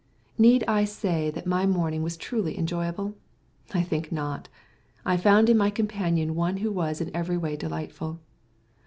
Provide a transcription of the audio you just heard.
Need I say that my morning was truly enjoyable? I think not. I found in my companion one who was in every way delightful.